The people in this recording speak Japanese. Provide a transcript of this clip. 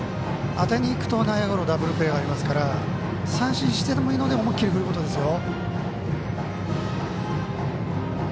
当てにいくと、内野ゴロダブルプレーがありますから三振してもいいから思い切り振ることですよ。